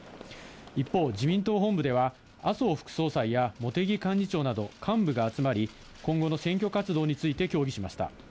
一方、自民党本部では、麻生副総裁や茂木幹事長など、幹部が集まり、今後の選挙活動について協議しました。